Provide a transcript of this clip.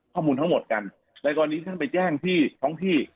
ถ้าอย่างนี้ว่าทางต้องแจ้งที่คอพี่